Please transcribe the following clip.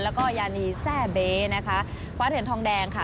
แล้วก็ยานีแส่เบ๊นะคะพระเถลทองแดงค่ะ